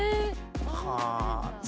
はあ。